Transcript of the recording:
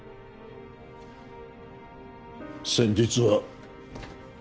先日は